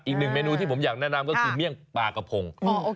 อีกหนึ่งเมนูที่ผมอยากแนะนำก็คือเมี่ยงปลากระพง